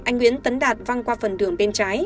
anh nguyễn tấn đạt văng qua phần đường bên trái